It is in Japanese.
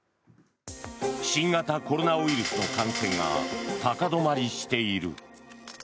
新型コロナウイルスの感染が高止まりしている。